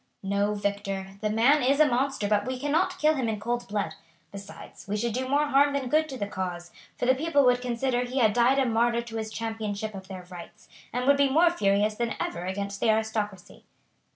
"No, Victor; the man is a monster, but we cannot kill him in cold blood; besides, we should do more harm than good to the cause, for the people would consider he had died a martyr to his championship of their rights, and would be more furious than ever against the aristocracy."